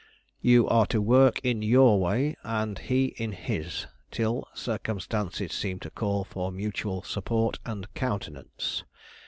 You are to work in your way, and he in his, till circumstances seem to call for mutual support and countenance.